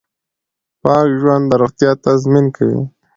پاک ژوند د روغتیا تضمین کوي.